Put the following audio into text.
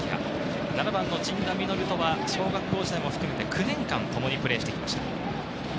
７番の陣田成琉とは小学校時代も含めて９年間ともにプレーしてきました。